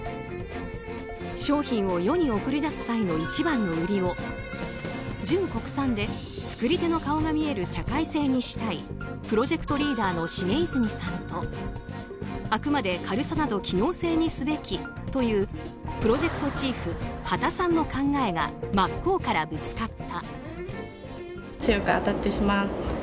商品を世に送り出す際の一番の売りを純国産で作り手の顔が見える社会性にしたいプロジェクトリーダーの重泉さんとあくまで軽さなど機能性にすべきというプロジェクトチーフ羽田さんの考えが真っ向からぶつかった。